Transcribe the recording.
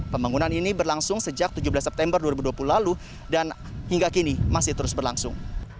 pembangunan ini berlangsung sejak tujuh belas september dua ribu dua puluh lalu dan hingga kini masih terus berlangsung